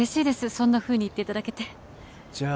そんなふうに言っていただけてじゃあ